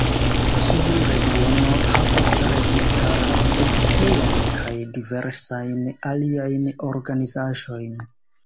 Ĉiu regiono havas registaran oficejon kaj diversajn aliajn organizaĵojn.